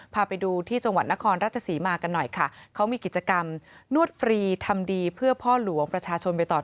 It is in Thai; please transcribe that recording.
พาไปดูที่จังหวัดนครราชศรีมากันหน่อยค่ะเขามีกิจกรรมนวดฟรีทำดีเพื่อพ่อหลวงประชาชนไปต่อ